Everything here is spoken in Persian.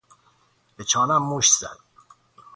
به چانهام مشت زد.